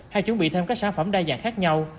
hay chuẩn bị thêm các sản phẩm đa dạng khác nhau